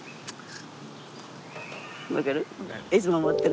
分かる？